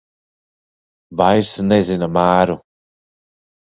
Vairs nezina mēru.